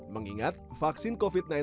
mengingat vaksin covid sembilan belas